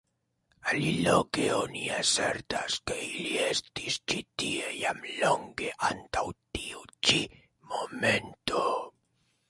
Aliloke oni asertas, ke ili estis ĉi tie jam longe antaŭ tiu ĉi momento.